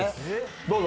どうぞ。